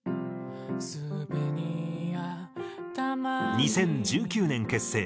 ２０１９年結成。